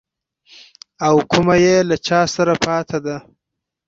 او کومه يې له چا سره پاته ده.